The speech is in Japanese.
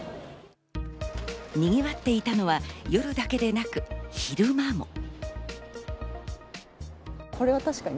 にぎわっていたのは夜だけでなく、昼間も。